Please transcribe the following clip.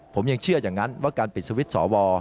ผมยังเชื่ออย่างนั้นว่าการปิดสวิตช์สว